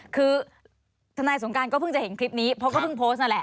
คือทนายสงการก็เพิ่งจะเห็นคลิปนี้เพราะก็เพิ่งโพสต์นั่นแหละ